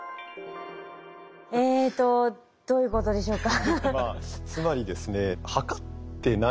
えとどういうことでしょうか？